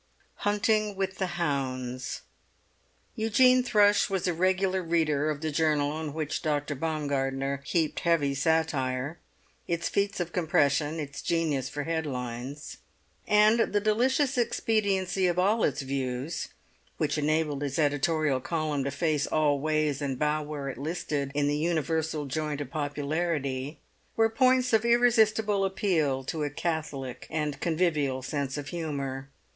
HUNTING WITH THE HOUNDS Eugene Thrush was a regular reader of the journal on which Dr. Baumgartner heaped heavy satire, its feats of compression, its genius for headlines, and the delicious expediency of all its views, which enabled its editorial column to face all ways and bow where it listed, in the universal joint of popularity, were points of irresistible appeal to a catholic and convivial sense of humour.